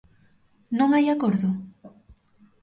¿Non hai acordo?